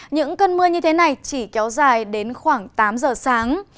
những cơn mưa như thế này chỉ kéo dài đến khoảng tám giờ sáng